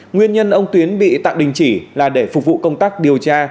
nguyên nhân ông tuyến bị tạm đình chỉ là để phục vụ công tác điều tra